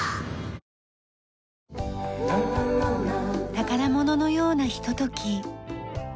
宝物のようなひととき。